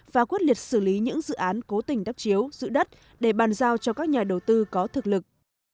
và quyết liệt xử lý những dự án cố tình đắp chiếu giữ đất để bàn giao cho các nhà đầu tư có thực lực